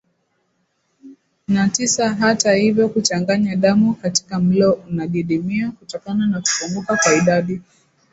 na tisa Hata hivyo kuchanganya damu katika mlo unadidimia kutokana na kupunguka kwa idadi